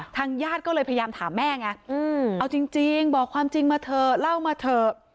ญาติก็เลยพยายามถามแม่ไงเอาจริงบอกความจริงมาเถอะเล่ามาเถอะ